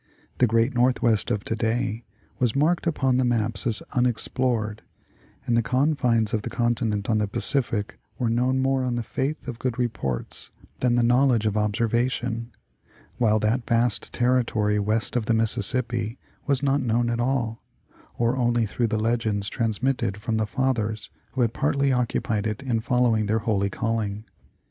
The great northwest of to day was marked upon the maps as " unexplored," and the confines of the continent on the Pacific were known more on the faith of good reports than the knowledge of observation ; while that vast territory west of the Mississippi was not known at all, or only through the legends transmitted from the " Fathers " who had partly occupied it in following their holy calling.